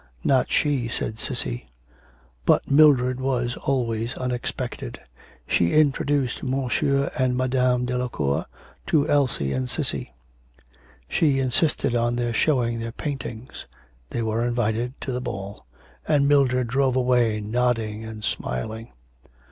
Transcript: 'Not she,' said Cissy. But Mildred was always unexpected. She introduced Monsieur and Madame Delacour to Elsie and Cissy; she insisted on their showing their paintings; they were invited to the ball, and Mildred drove away nodding and smiling.